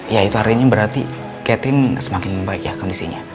ya itu artinya berarti catherine semakin membaik ya kondisinya